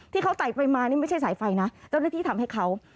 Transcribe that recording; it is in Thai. ที่เขาใส่ไปมานี่ไม่ใช่สายไฟนะเจ้าหน้าที่ทำให้เขา